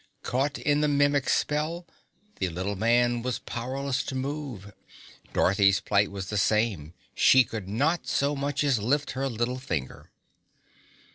Caught in the Mimic spell, the little man was powerless to move. Dorothy's plight was the same; she could not so much as lift her little finger.